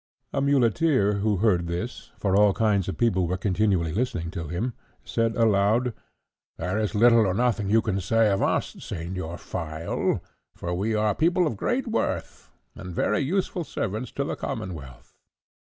A muleteer who heard this, for all kinds of people were continually listening to him, said aloud, "There is little or nothing that you can say of us, Señor Phial, for we are people of great worth, and very useful servants to the commonwealth."